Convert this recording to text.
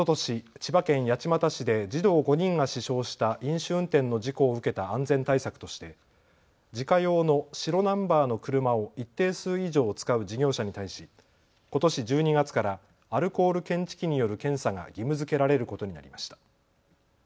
千葉県八街市で児童５人が死傷した飲酒運転の事故を受けた安全対策として自家用の白ナンバーの車を一定数以上使う事業者に対しことし１２月からアルコール検知器による検査が義務づけられることになりました。